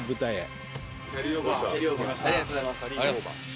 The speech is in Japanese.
ありがとうございます。